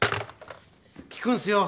利くんすよ